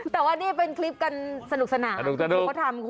แต่ว่านี่เป็นคลิปกันสนุกสนาน